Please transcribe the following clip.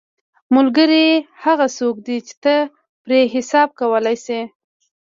ملګری هغه څوک دی چې ته پرې حساب کولی شې.